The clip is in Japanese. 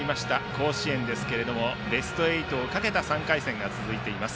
甲子園ですがベスト８をかけた３回戦が続いています。